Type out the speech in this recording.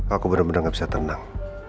aku bener bener gak bisa tenang